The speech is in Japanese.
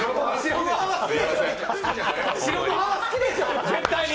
白ご飯は好きでしょう、絶対に。